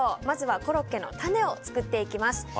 まずはコロッケのタネを作っていきます。